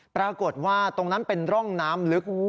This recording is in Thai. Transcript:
ปรากฏว่าตรงนั้นเป็นร่องน้ำลึก